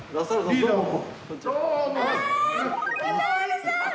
リーダーも。